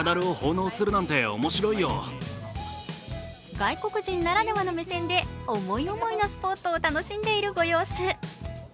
外国人ならではの目線で思い思いのスポットを楽しんでいるご様子。